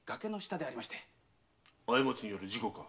過ちによる事故か？